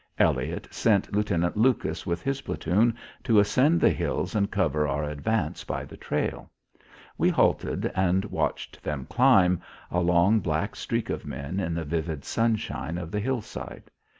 Elliott sent Lieutenant Lucas with his platoon to ascend the hills and cover our advance by the trail. We halted and watched them climb, a long black streak of men in the vivid sunshine of the hillside.